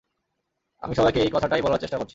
আমি সবাইকে এই কথাটাই বলার চেষ্টা করছি।